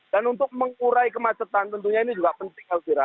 dan untuk mengurai kemacetan tentunya ini juga penting